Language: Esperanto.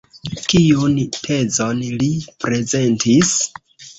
Kiun tezon li prezentis?